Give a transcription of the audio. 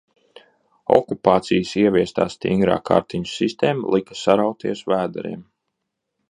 Okupācijas ievestā stingrā kartiņu sistēma lika sarauties vēderiem.